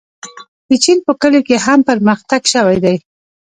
د چین په کلیو کې هم پرمختګ شوی دی.